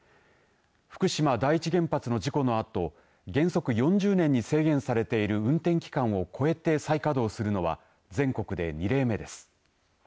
福島第一原発の事故のあと原則４０年に制限されている運転期間を超えて再稼働するのは全国で２例目です。